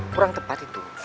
kurang tepat itu